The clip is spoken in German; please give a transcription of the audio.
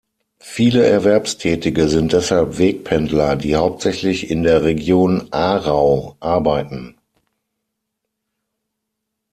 Viele Erwerbstätige sind deshalb Wegpendler, die hauptsächlich in der Region Aarau arbeiten.